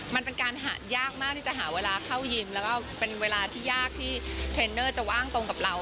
มันเป็นการหาดยากมากที่จะหาเวลาเข้ายิมแล้วก็เป็นเวลาที่ยากที่เทรนเนอร์จะว่างตรงกับเรา